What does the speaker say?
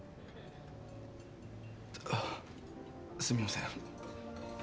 すみません。